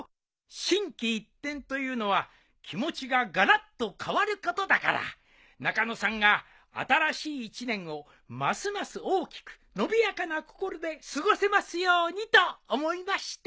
心機一転というのは気持ちがガラッと変わることだから中野さんが新しい一年をますます大きく伸びやかな心で過ごせますようにと思いまして。